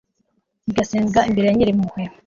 igasenga imbere ya nyir'impuhwe